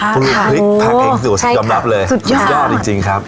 ปรุงพริกผักเองสุดยอมรับเลยสุดยอดจริงครับ